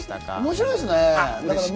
面白いですね。